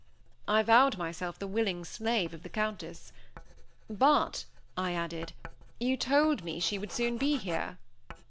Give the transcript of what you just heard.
I vowed myself the willing slave of the Countess. "But," I added, "you told me she would soon be here."